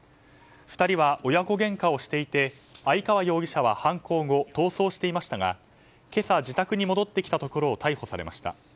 ２人は親子げんかをしていて相川容疑者は犯行後逃走していましたが今朝、自宅に戻ってきたところを逮捕されました。